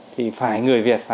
thì phải người việt phải tự làm